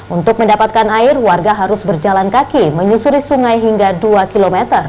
untuk mendapatkan air warga harus berjalan kaki menyusuri sungai hingga dua km